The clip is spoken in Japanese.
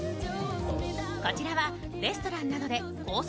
こちらはレストランなどでコース